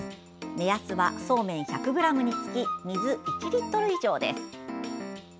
目安は、そうめん１００ｇにつき水１リットル以上です。